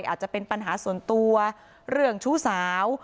อาจจะเป็นปัญหาส่วนตัวเรื่องชู้สาว